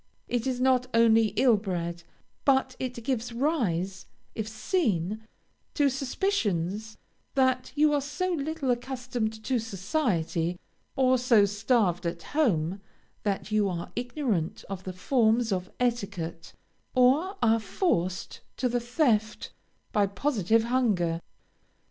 It is not only ill bred, but it gives rise, if seen, to suspicions that you are so little accustomed to society, or so starved at home, that you are ignorant of the forms of etiquette, or are forced to the theft by positive hunger.